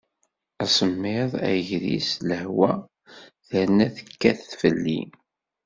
Asemmiḍ, agris, lehwa terna tekkat fell-i.